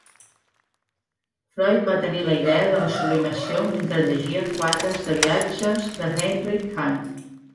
Freud va tenir la idea de la sublimació mentre llegia "Quadres de viatges" de Heinrich Heine.